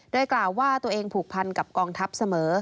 โดยกล่าวว่าตัวเองผูกพันกับกองทัพเสมอ